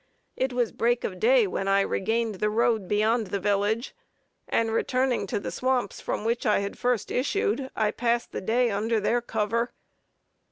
It was break of day when I regained the road beyond the village, and returning to the swamps from which I had first issued, I passed the day under their cover.